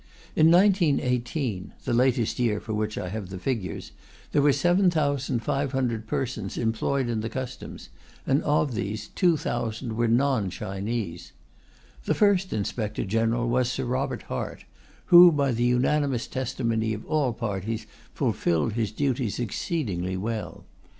In 1918 (the latest year for which I have the figures) there were 7,500 persons employed in the Customs, and of these 2,000 were non Chinese. The first Inspector General was Sir Robert Hart, who, by the unanimous testimony of all parties, fulfilled his duties exceedingly well.